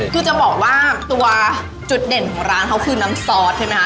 คือจะบอกว่าตัวจุดเด่นของร้านเขาคือน้ำซอสใช่ไหมคะ